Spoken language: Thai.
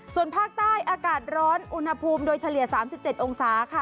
ส่วนภาคใต้อากาศร้อนอุณหภูมิโดยเฉลี่ย๓๗องศาค่ะ